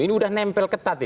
ini sudah nempel ketat ini